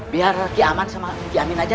biar reki aman sama reki amin aja